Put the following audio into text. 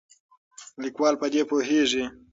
لیکوال په دې پوهیږي.